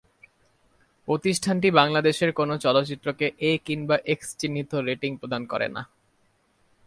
প্রতিষ্ঠানটি বাংলাদেশের কোন চলচ্চিত্রকে ‘এ’ কিংবা ‘এক্স’ চিহ্নিত রেটিং প্রদান করে না।